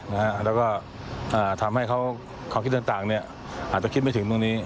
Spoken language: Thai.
แล้วก็ทำให้ความคิดต่างอาจจะคิดไม่ถึงตรงนี้